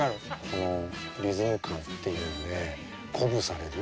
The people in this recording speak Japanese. このリズム感っていうので鼓舞される。